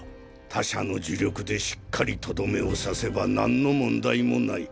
他者の呪力でしっかりとどめを刺せばなんの問題もない。